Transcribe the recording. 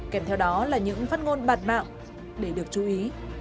kèm theo đó là những phát ngôn bạt mạng để được chú ý